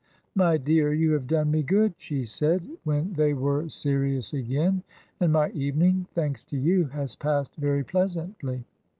"My dear, you have done me good," she said, when they were serious again, "and my evening, thanks to you, has passed very pleasantly.